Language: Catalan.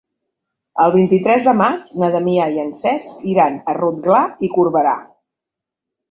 El vint-i-tres de maig na Damià i en Cesc iran a Rotglà i Corberà.